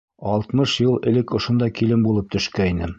Алтмыш йыл элек ошонда килен булып төшкәйнем.